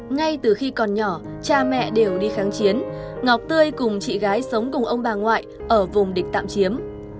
ngay từ khi còn nhỏ cha mẹ đều đi kháng chiến ngọc tươi cùng chị gái sống cùng ông bà ngoại ở vùng địch tạm chiếm